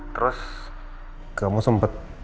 terus kamu sempet